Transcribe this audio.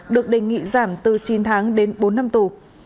được đề nghị giảm từ chín tháng đến bốn năm tù